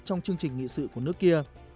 trong chương trình nghị sự của nước kia